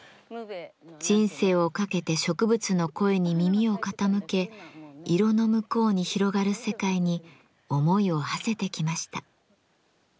人生をかけて植物の声に耳を傾け色の向こうに広がる世界に思いをはせてきました。